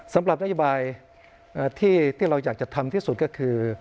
สำหรับนโยบายที่เราอยากจะทำที่สุดก็คือ